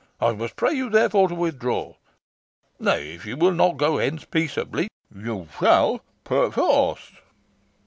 I must pray you therefore, to withdraw. Nay, if you will not go hence peaceably, you shall perforce.